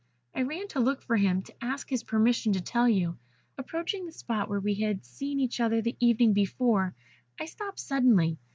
I ran to look for him, to ask his permission to tell you. Approaching the spot where we had seen each other the evening before, I stopped suddenly.